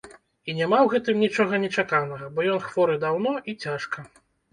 І няма ў гэтым нічога нечаканага, бо ён хворы даўно і цяжка.